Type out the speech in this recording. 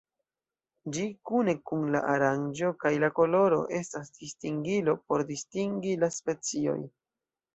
Ĝi, kune kun la aranĝo kaj la koloro, estas distingilo por distingi la specioj.